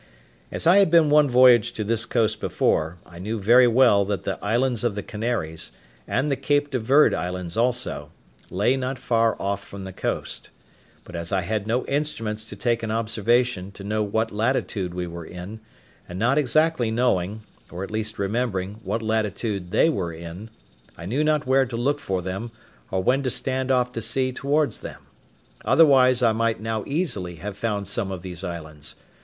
As I had been one voyage to this coast before, I knew very well that the islands of the Canaries, and the Cape de Verde Islands also, lay not far off from the coast. But as I had no instruments to take an observation to know what latitude we were in, and not exactly knowing, or at least remembering, what latitude they were in, I knew not where to look for them, or when to stand off to sea towards them; otherwise I might now easily have found some of these islands.